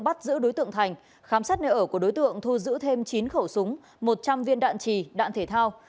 bắt giữ đối tượng thành khám xét nơi ở của đối tượng thu giữ thêm chín khẩu súng một trăm linh viên đạn trì đạn thể thao